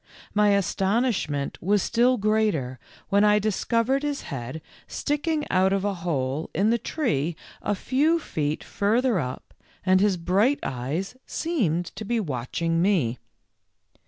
My astonishment was still greater when I dis covered his head sticking out of a hole in the tree a few feet further up and his bright eyes seemed to be watching me.